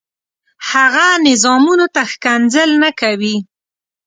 هغه نظامونو ته ښکنځل نه کوي.